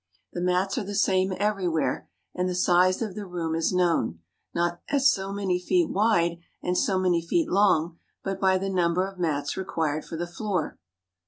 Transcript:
The mats are the same everywhere, and the size of the room is known, not as so many feet wide and so many feet long, but by the number of mats required for the floor.